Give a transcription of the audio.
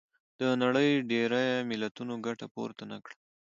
د نړۍ ډېری ملتونو ګټه پورته نه کړه.